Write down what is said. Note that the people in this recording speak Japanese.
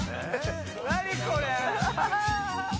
何これ⁉